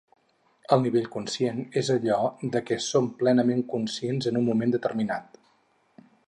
El nivell conscient és allò de que som plenament conscients en un moment determinat